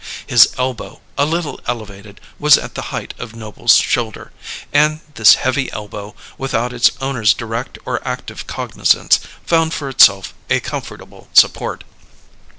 His elbow, a little elevated, was at the height of Noble's shoulder, and this heavy elbow, without its owner's direct or active cognizance, found for itself a comfortable support.